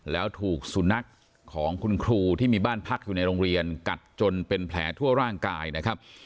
แล้วถูกสุนัขของคุณครูที่มีบ้านพักอยู่ในโรงเรียนกัดจนเป็นแผลทั่วร่างกายนะครับ